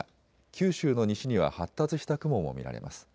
九州の西には発達した雲も見られます。